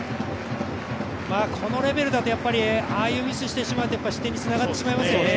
このレベルだとああいうミスしてしまうと失点につながってしまいますよね